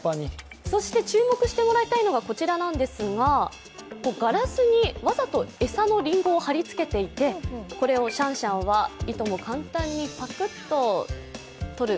注目してもらいたいのはこちらなんですが、ガラスにわざと餌のりんごを貼り付けていてこれをシャンシャンはいとも簡単にパクッと取る